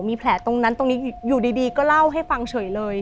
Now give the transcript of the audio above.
มีแผลตรงนั้นตรงนี้อยู่ดีก็เล่าให้ฟังเฉยเลย